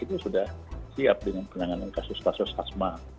itu sudah siap dengan penanganan kasus kasus asma